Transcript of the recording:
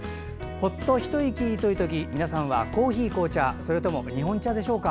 ほっと一息というとき皆さんはコーヒー、紅茶それとも日本茶でしょうか。